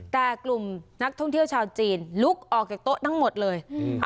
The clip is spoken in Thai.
แต่กลุ่มนักท่องเที่ยวชาวจีนลุกออกจากโต๊ะทั้งหมดเลย